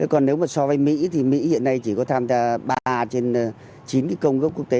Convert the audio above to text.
còn nếu mà so với mỹ thì mỹ hiện nay chỉ có tham gia ba trên chín cái công gốc quốc tế